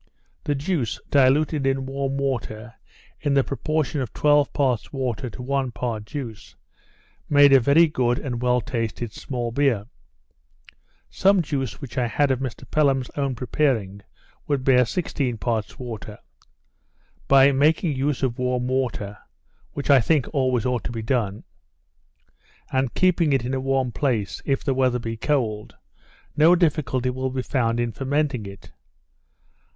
The juice, diluted in warm water, in the proportion of twelve parts water to one part juice, made a very good and well tasted small beer. Some juice which I had of Mr Pelham's own preparing, would bear sixteen parts water. By making use of warm water, (which I think ought always to be done,) and keeping it in a warm place, if the weather be cold, no difficulty will be found in fermenting it.